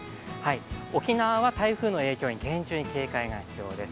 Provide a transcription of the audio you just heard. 沖縄は台風の影響に厳重に警戒が必要です。